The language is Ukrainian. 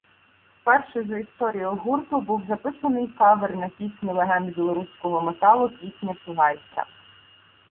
Вперше за історію гурту був записаний кавер на пісню легенд білоруського металу «Пісня Чугайстра».